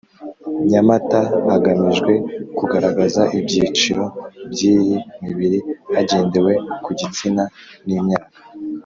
Nyamata hagamijwe kugaragaza ibyiciro by iyi mibiri hagendewe ku gitsina n imyaka